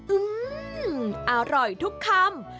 อืมอร่อยทุกคำ